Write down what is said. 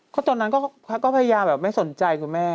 ก็ตอนนั้นก็พยายามแบบไม่สนใจคุณแม่